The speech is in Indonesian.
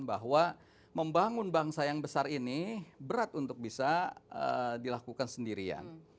bahwa membangun bangsa yang besar ini berat untuk bisa dilakukan sendirian